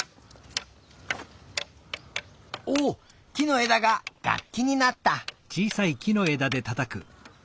おっきのえだががっきになった！